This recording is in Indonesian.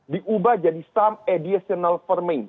diubah jadi some additional firming